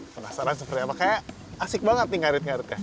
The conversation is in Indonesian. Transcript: penasaran seperti apa kayaknya asik banget nih ngarit ngaritnya